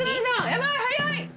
やばい早い！